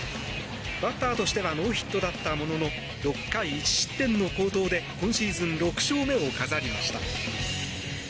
バッターとしてはノーヒットだったものの６回１失点の好投で今シーズン６勝目を飾りました。